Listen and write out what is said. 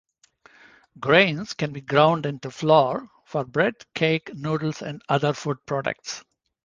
Grains can be ground into flour for bread, cake, noodles, and other food products.